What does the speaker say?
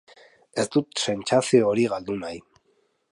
Ez dut sentsazio hori galdu nahi.